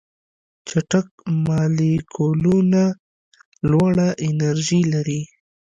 چټک مالیکولونه لوړه انرژي لري.